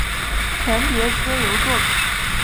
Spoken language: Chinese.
全碟皆由作曲。